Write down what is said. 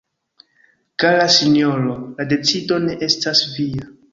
Kara Sinjoro, la decido ne estas via.